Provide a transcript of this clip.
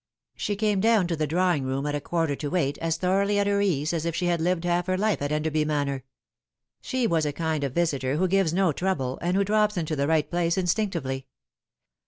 She came down to the drawing room, at a quarter to eight, as The Begvwwng of Doubt. 99 thoroughly at her ease as if she had lived half her life at Enderby Manor. She was a kind of visitor who gives no trouble, and who drops into the right place instinctively.